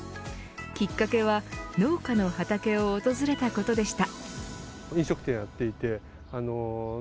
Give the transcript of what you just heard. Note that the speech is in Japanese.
きっかけは農家の畑を訪れたことでした。